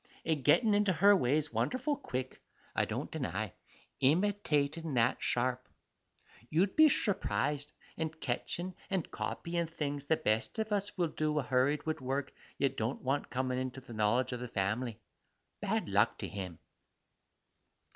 and gettin' into her ways wonderful quick, I don't deny, imitatin' that sharp, you'd be shurprised, and ketchin' and copyin' things the best of us will do a hurried wid work yet don't want comin' to the knowledge of the family bad luck to him!